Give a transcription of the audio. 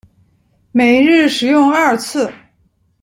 每日使用二次